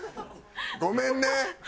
ごめんね。